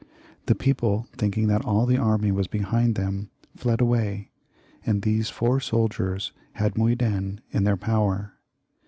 The people, thinking that all the army was behind them, fled away, and these four soldiers had Muyden in their power.